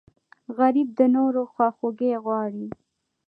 غریب د نورو خواخوږی غواړي